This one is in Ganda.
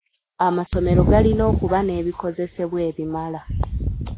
Amasomero galina okuba n'ebikozesebwa ebimala.